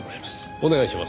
お願いします。